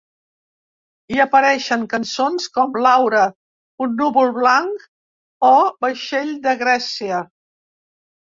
Hi apareixen cançons com “Laura”, “Un núvol blanc” o “Vaixell de Grècia”.